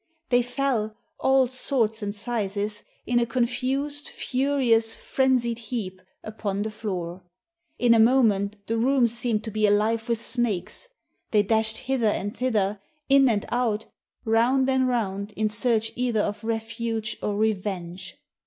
They fell, all sorts and sizes, in a confused, furious, frenzied heap, upon the floor. In a moment the room seemed to be alive with snakes. They dashed hither and thither, in and out, round and round, in search either of refuge or revenge.